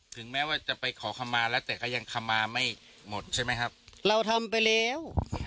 ถึงแม้ว่าจะไปขอคำมาแล้วแต่ก็ยังคำมาไม่หมดใช่ไหมครับเราทำไปแล้ว